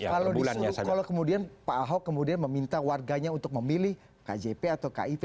kalau disuruh kalau kemudian pak ahok kemudian meminta warganya untuk memilih kjp atau kip